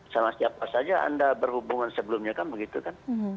sama siapa saja anda berhubungan sebelumnya kan begitu kan